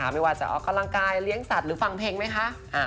ไม่ว่าจะออกกำลังกายเลี้ยงสัตว์หรือฟังเพลงไหมคะ